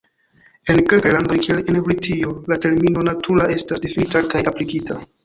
En kelkaj landoj kiel en Britio la termino "natura" estas difinita kaj aplikita.